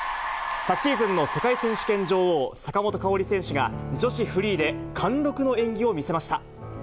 昨シーズンの世界選手権女王、坂本花織選手が女子フリーで貫録の演技を見せました。